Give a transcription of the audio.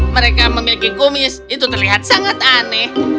mereka memiliki kumis itu terlihat sangat aneh